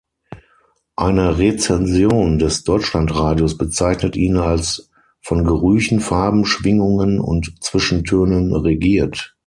Eine Rezension des Deutschlandradios bezeichnet ihn als „von Gerüchen, Farben, Schwingungen und Zwischentönen regiert“.